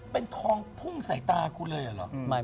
เป็นทองพุ่งใส่ตาคุณเลยเหรอ